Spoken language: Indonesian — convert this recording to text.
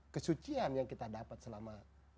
kesucian yang kita dapat selama